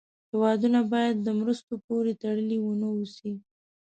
هېوادونه باید د مرستو پورې تړلې و نه اوسي.